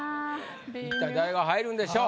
一体誰が入るんでしょう？